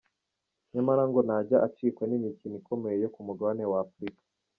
Nyamara ngo ntajya acikwa n’imikino ikomeye yo ku mugabane wa Afurika.